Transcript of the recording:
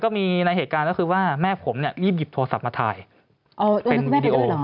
คุณแม่ไปด้วยหรอ